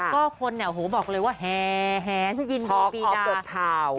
ก็คนเนี่ยโหบอกเลยว่าแฮยินดีปีดา